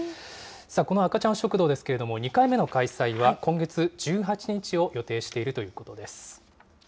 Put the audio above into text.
さあ、この赤ちゃん食堂ですけれども、２回目の開催は今月１８日を予定しているということです。